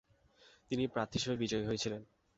তিনি প্রার্থী হিসেবে বিজয়ী হয়েছিলেন।